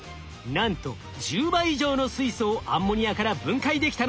なんと１０倍以上の水素をアンモニアから分解できたのです。